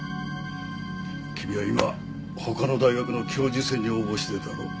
君は今他の大学の教授選に応募してるだろ？